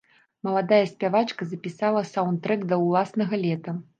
Маладая спявачка запісала саўндтрэк да ўласнага лета.